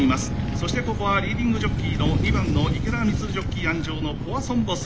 そしてここはリーディングジョッキーの２番の池田満ジョッキー鞍上のポアソンボス。